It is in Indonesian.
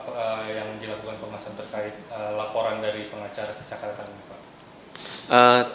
apakah sudah ada permasalahan terkait laporan dari pengacara saka tata